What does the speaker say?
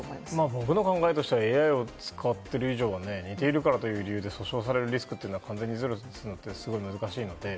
僕の考えとしてはＡＩを使っている以上は似ているからという理由で訴訟されるリスクは完全にゼロにするのはすごく難しいので。